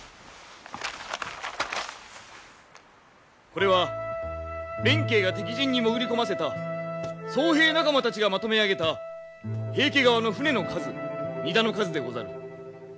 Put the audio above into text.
これは弁慶が敵陣に潜り込ませた僧兵仲間たちがまとめ上げた平家側の船の数荷駄の数でござる。